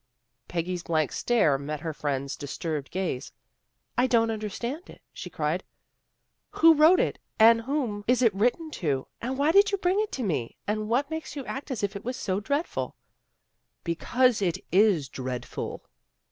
Peggy's blank stare met her friend's dis turbed gaze. " I don't understand it," she cried. " Who wrote it, and whom is it written 154 THE GIRLS OF FRIENDLY TERRACE to, and why did you bring it to me, and what makes you act as if it was so dreadful? "" Because it is dreadful."